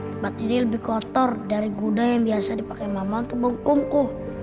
tempat ini lebih kotor dari guda yang biasa dipakai mama untuk mengkungkuh